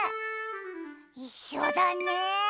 いっしょだね。